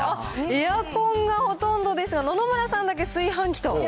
エアコンがほとんどですが、野々村さんだけ炊飯器と。